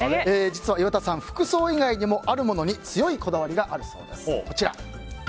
実は岩田さん、服装以外にもあるものに強いこだわりがあるそうです。